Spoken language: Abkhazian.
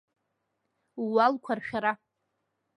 Ууалқәа ршәара…